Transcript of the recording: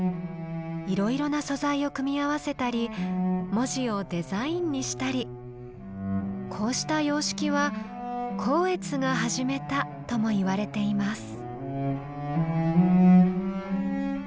いろいろな素材を組み合わせたり文字をデザインにしたりこうした様式は光悦が始めたともいわれています。